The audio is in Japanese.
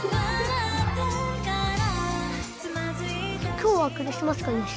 今日はクリスマス会です。